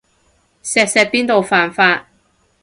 錫錫邊度犯法